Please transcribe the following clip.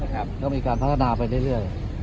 ก็มีการพัฒนาไปเรื่อย